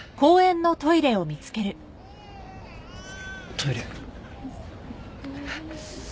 トイレ。